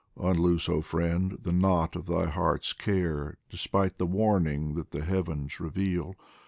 Unloose, oh friend, the knot of thy heart's care, Despite the warning that the Heavens reveal